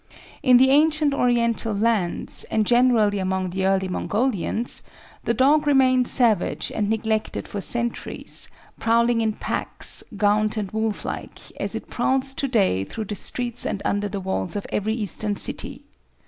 In the ancient Oriental lands, and generally among the early Mongolians, the dog remained savage and neglected for centuries, prowling in packs, gaunt and wolf like, as it prowls to day through the streets and under the walls of every Eastern city.